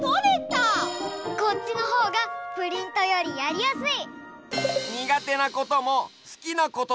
こっちのほうがプリントよりやりやすい。